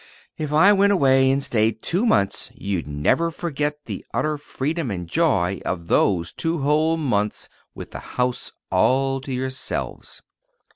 "If I went away and stayed two months, you'd never forget the utter freedom and joy of those two whole months with the house all to yourselves."